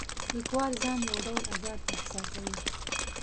لیکوال ځان یو ډول آزاد احساسوي.